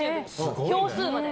票数まで。